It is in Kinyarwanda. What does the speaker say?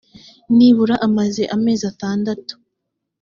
nibura amaze amezi atandatu